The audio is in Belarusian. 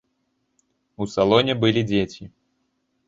У салоне былі дзеці.